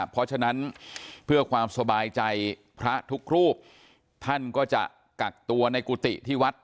เพราะฉะนั้นเพื่อความสบายใจพระทุกรูปท่านก็จะกักตัวในกุฏิที่วัด